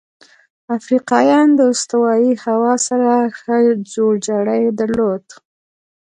افریقایان د استوایي هوا سره ښه جوړجاړی درلود.